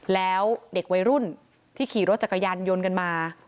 แล้วเด็กวัยรุ่นที่ขี่รถจักรยานยนต์กันมา